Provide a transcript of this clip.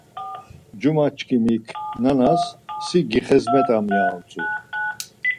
Cuma çkimik nanas si gixezmet̆am ya utzu.